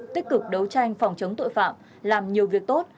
tích cực đấu tranh phòng chống tội phạm làm nhiều việc tốt